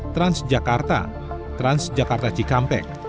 transjakarta transjakarta cikampek